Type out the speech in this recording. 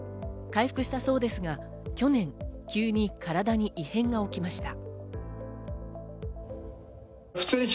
回復したそうですが、去年、急に体に異変が起きました。